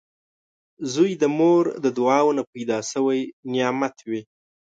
• زوی د مور د دعاوو نه پیدا شوي نعمت وي